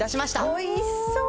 おいしそう！